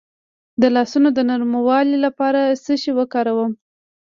د لاسونو د نرموالي لپاره څه شی وکاروم؟